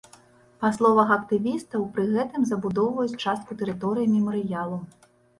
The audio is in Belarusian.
Па словах актывістаў, пры гэтым забудоўваюць частку тэрыторыі мемарыялу.